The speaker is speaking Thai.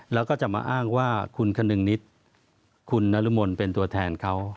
แล้วก็จะมาอ้างว่าคุณคนึงนิดคุณนรมนเป็นตัวแทนเขา